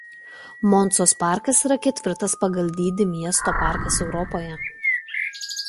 Moncos parkas yra ketvirtas pagal dydį miesto parkas Europoje.